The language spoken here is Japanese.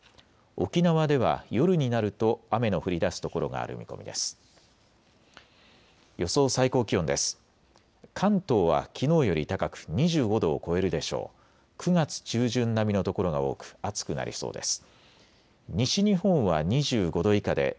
沖縄では夜になると雨の降りだす所がある見込みです。